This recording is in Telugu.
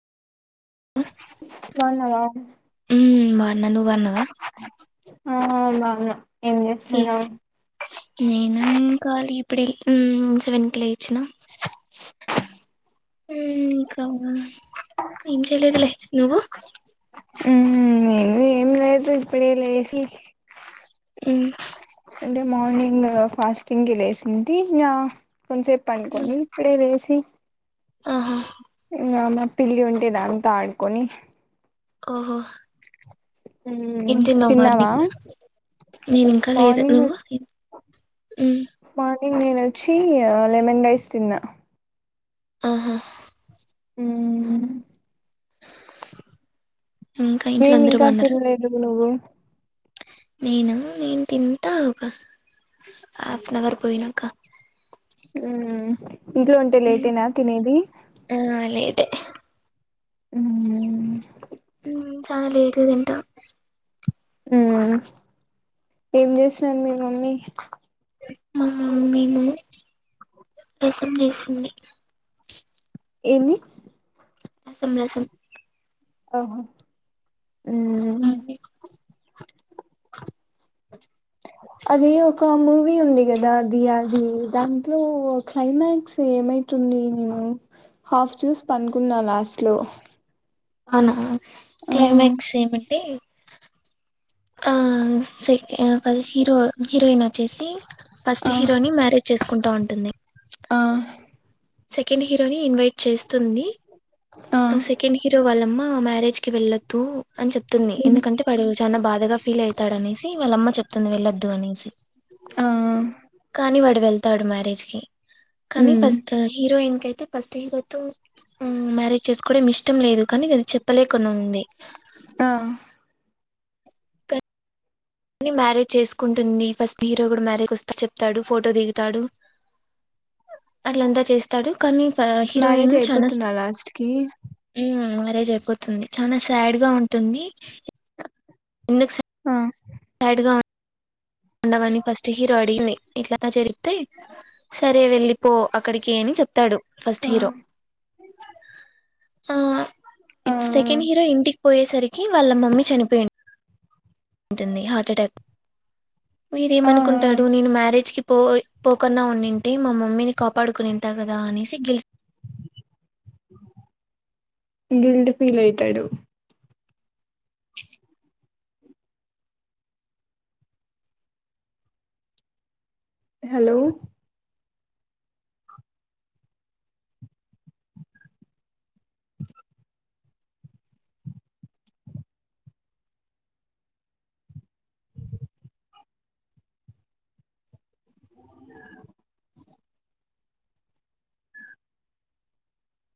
బాగున్నావా గున్న ను బాన్నావా ఆ బాన్న నేనుం కాళ ఇప్పుడ ఉమ్ సెవెన్ కి లేచ్చినా ఉమ్ ఇంకా ఏం చేలేదులే నువ్వు ఉమ్ నేను ఏం లేదు ఇప్పుడే లేసి ఉమ్ అంటే మార్నింగ్ ఫాస్టింగ్ కి లేసింటి ఇంకా కోన్సెప్ మ్మ్ పన్కొనీ ఇపుడే లేసి ఆహా ఇంగా మా పిల్లి ఉంటే దాంతో ఆడుకొని ఓహో ఏం మ్మ్ తిన్నావ్ తిన్నావా మార్నింగ్ నేను ఇంకా లేదు మార్నింగ్ నువ్వు ఏం ఉం ఇ నేను వచ్చి లెమన్ రైస్ తిన్నా ఆహా ఉమ్ ఇంకా ఇంట్లో ఏం ఇంకా తినలేదు నువ్వు నేనా నేను తింటా ఒక హాఫ్ అన్ అవర్ పోయినాకా ఉమ్ ఇంట్లో ఉంటే మ్మ్ లేటేనా తినేది ఆ లేటే ఉమ్ చానా లేట్ తింటా ఉమ్ ఏం చేసినారు మీ మమ్మీ మా మమ్మీ నా రసం చేసింది ఏమి రసం రసం ఆహా ఉమ్ అకే అది ఒక మూవీ ఉంది కదా దీయది దాంట్లో క్లైమాక్స్ ఏమై ఇటు ఉండి నేను హాఫ్ చూసి పనుకున్నా లాస్ట్ లో అవునా క్లైమాక్స్ ఏమంటే ఆ సెకె హీరో హీరోయిన్ వచ్చేసి ఆ ఆ ఫస్ట్ హీరోని మ్యారేజ్ చేసుకుంట్ టా అంటంది ఆ సెకండ్ హీరో ని ఇన్వైట్ చేస్తుంది ఆ సెకండ్ హీరో వాళ్ళమ్మ మ్యారేజ్కి వెళ్ దు అని చెప్తుంది ఎందుకంటే వాడు చాలా బాధగా ఫీల్ అయితాడు అనేసి వాళ్ళమ్మ చెప్ ప్తుంది వెళ్ళద్దు అనేసి కానీ వాడు వెళ్తాడు మ్యారేజ్ కి కానీ ఉమ్ ఫస్ట్ హీరోయిన్ కైతే ఫస్ట్ హీరోతో మ్ మ్యారేజ్ చేసుకోవడం ఇష్టం లేదు కానీ అది చెప్పలేకని ఉంది ఆ కానీ మ్యారేజ్ చేసుకుంటుంది ఫస్ట్ హీరో కూడా మ్యారేజ్ వస్తే చెప్తాడు ఫోటో దిగుతాడు అట్లంతా చేస్తాడు కానీ మ్యారేజ్ హీరోయిన్ చన అయిపోతుందా లాస్ట్ కి మ్మ్ రేజ్ అయిపోతుంది చాన సాడ్ గా ఉంటుంది ఎందుక్ ఆ ఉండమని ఫస్ట్ హీరో అడిగింది ఇట్ల అంత జరిగితే సరే వెళ్ళిపో అక్కడికి అని చెప్తాడు ఫస్ట్ ఆ హీరో ఆ ఆ ఇప్పుడు సెకండ్ హీరో ఇంటికి పోయేసరికి వాళ్ళ మమ్మీ చనిపోయి ఉంటుంది హార్ట్ అటాక్ ఆ వీడేమనుకుంటాడు నేను మ్యారేజ్ కి పోయ్ పోకన్నా ఉన్ని ఉంటే మా మమ్మీని కాపాడుకొని ఉంటా కదా అనేసి గిల్ అ గిల్ట్ ఫీల్ అయితాడు హలో